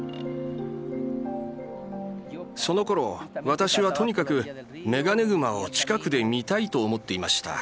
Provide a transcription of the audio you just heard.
そのころ私はとにかくメガネグマを近くで見たいと思っていました。